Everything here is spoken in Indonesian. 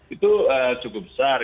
itu cukup besar